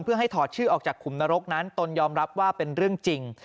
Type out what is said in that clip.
เพื่อให้ถอดชื่อออกจากขุมนรกนั้นตนยอมรับว่าเป็นเรื่องจริง